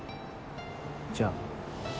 じゃあ。